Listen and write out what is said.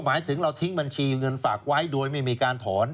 หมายถึงเราทิ้งบัญชีเงินฝากไว้โดยไม่มีการถอน